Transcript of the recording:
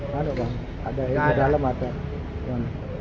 mana bang ada ilmu dalam atau